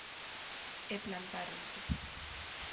E plantáronse.